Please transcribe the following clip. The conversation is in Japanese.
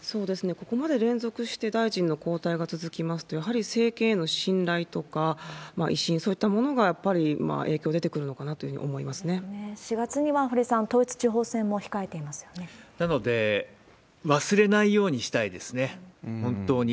ここまで連続して大臣の交代が続きますと、やはり政権への信頼とか、威信、そういったものがやっぱり影響出てくるのかなというふうに思いま４月には、堀さん、統一地方なので、忘れないようにしたいですよね、本当に。